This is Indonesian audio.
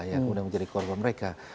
yang kemudian menjadi korban mereka